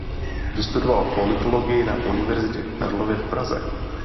Vystudoval politologii na Univerzitě Karlově v Praze.